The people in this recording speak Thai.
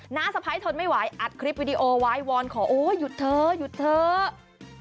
้าสะพ้ายทนไม่ไหวอัดคลิปวิดีโอไว้วอนขอโอ้หยุดเถอะหยุดเถอะ